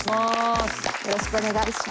よろしくお願いします。